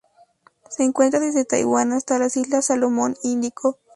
Se encuentra desde Taiwán hasta las Islas Salomón.Índico.